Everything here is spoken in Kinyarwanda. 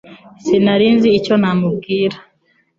Sinari nzi icyo namubwira